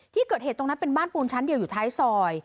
ที่เกิดเหตุตรงนั้นเป็นบ้านปูนชั้นเดียวอยู่ท้ายซอย